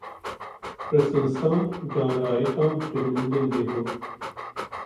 ਪ੍ਰਸੰਸਾਂ ਜਾਂ ਰਾਏ ਤਾਂ ਜਰੂਰ ਦਿੰਦੇ ਹੋ